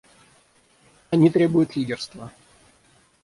Они требуют лидерства.